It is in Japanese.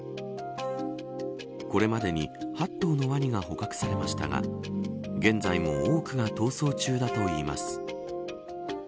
これまでに８頭のワニが捕獲されましたが現在も多くが逃走中だといいます。